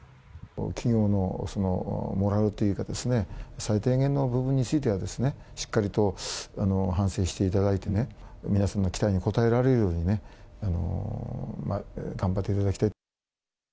企業のモラルというかですね、最低限の部分についてはですね、しっかりと反省していただいてね、皆さんの期待に応えられるように頑張っていただきたい。